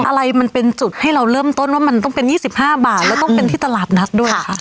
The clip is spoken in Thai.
อะไรมันเป็นจุดให้เราเริ่มต้นว่ามันต้องเป็น๒๕บาทแล้วต้องเป็นที่ตลาดนัดด้วยค่ะ